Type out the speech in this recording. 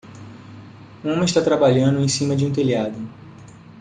Um homem está trabalhando em cima de um telhado.